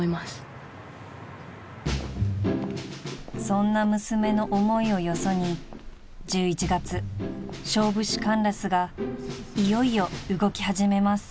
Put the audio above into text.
［そんな娘の思いをよそに１１月勝負師カンラスがいよいよ動き始めます］